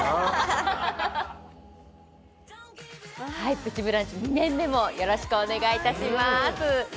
「プチブランチ」２年目もよろしくお願いします。